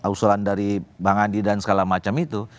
usulan dari bang andi dan segala macam itu